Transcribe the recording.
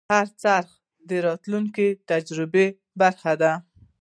هر خرڅ د راتلونکي تجربې برخه ده.